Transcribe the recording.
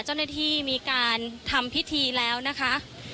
เจ้าหน้าที่มีการทำพิธีแล้วนะคะ